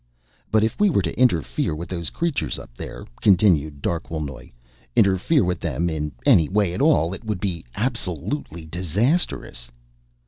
"But if we were to interfere with those creatures up there," continued Darquelnoy, "interfere with them in any way at all, it would be absolutely disastrous."